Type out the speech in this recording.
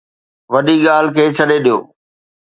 وڏي ڳالهه کي ڇڏي ڏيو.